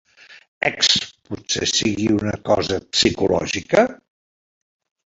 Ecs! Potser sigui una cosa psicològica?